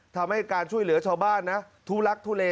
ทำให้การช่วยเหลือชาวบ้านนะทุลักทุเล